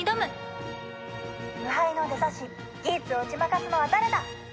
無敗のデザ神ギーツを打ち負かすのは誰だ！